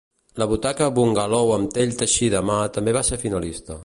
La butaca Bungalow amb pell teixida a mà també va ser finalista.